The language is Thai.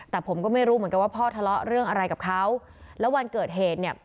แต่ผมก็ไม่รู้เหมือนกันว่าพ่อทะเลาะเรื่องอะไรกับเขาแล้ววันเกิดเหตุเนี่ย